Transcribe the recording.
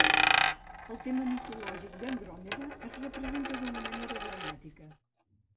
El tema mitològic d'Andròmeda es representa d'una manera dramàtica.